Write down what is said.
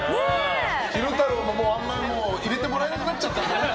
昼太郎ももう中に入れてもらえなくなっちゃったね。